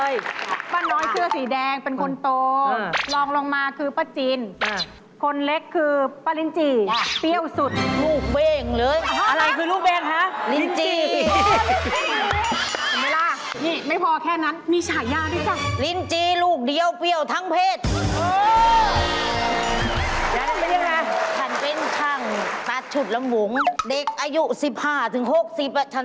จะลึมหึง๖๑๐กว่าชั้นทรายมาทถามให้เค้าปื้ออไปออกทางเพศบุรีอีไตย